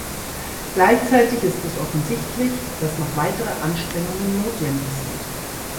Gleichzeitig ist es offensichtlich, dass noch weitere Anstrengungen notwendig sind.